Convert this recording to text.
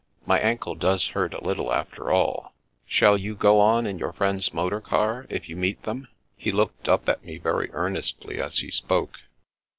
My ankle does hurt a little, after all. Shall you go on in your friends' motor car if you meet them ?" He looked up at me very earnestly as he spoke.